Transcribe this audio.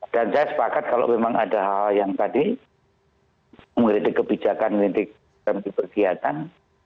dan saya sepakat kalau memang ada hal yang tadi mengkritik kebijakan mengkritik kebijakan